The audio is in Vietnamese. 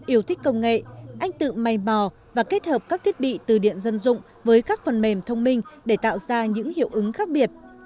yêu thích công nghệ anh tự may bò và kết hợp các thiết bị từ điện dân dụng với các phần mềm thông minh để tạo ra những hiệu ứng khác biệt